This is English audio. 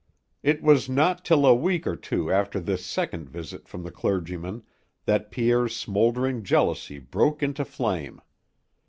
It was not till a week or two after this second visit from the clergyman that Pierre's smouldering jealousy broke into flame.